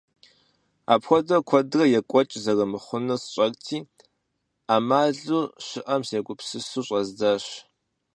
Апхуэдэу куэдрэ екӀуэкӀ зэрымыхъунур сщӀэрти, Ӏэмалу щыӀэм сегупсысу щӀэздзащ.